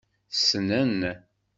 Ssnen.